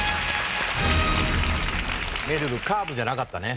めるるカーブじゃなかったね。